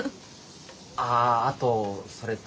ああとそれと。